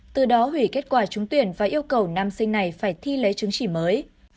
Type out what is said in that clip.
từ đó hủy kết quả trúng tuyển và yêu cầu nam sinh này phải thi lấy chứng chỉ mới